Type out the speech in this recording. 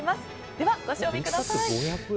では、ご賞味ください。